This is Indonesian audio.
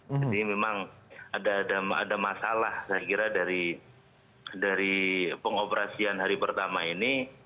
jadi memang ada masalah saya kira dari pengoperasian hari pertama ini